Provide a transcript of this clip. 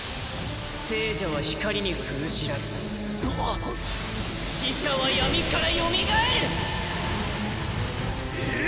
生者は光に封じられ死者は闇からよみがえる！